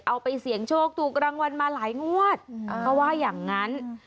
เอาไปเสี่ยงโชคถูกรางวัลมาหลายงวดเขาว่าอย่างนั้น